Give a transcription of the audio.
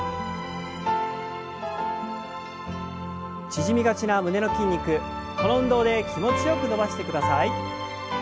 縮みがちな胸の筋肉この運動で気持ちよく伸ばしてください。